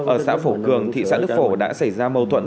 ở xã phổ cường thị xã đức phổ đã xảy ra mâu thuẫn